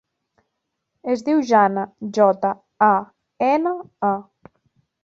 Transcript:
Es diu Jana: jota, a, ena, a.